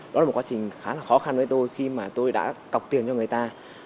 đó là một quá trình khá là khó khăn với tôi khi mà tôi đã cọc tiền cho người ta